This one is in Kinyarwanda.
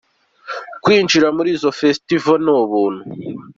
Kwinjira muri izo Festivals ni ubuntu.